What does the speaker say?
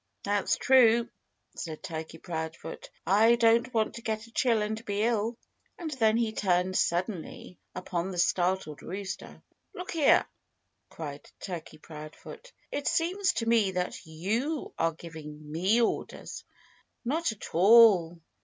"That's true," said Turkey Proudfoot. "I don't want to get a chill and be ill." And then he turned suddenly upon the startled rooster. "Look here!" cried Turkey Proudfoot. "It seems to me that you are giving me orders." "Not at all!"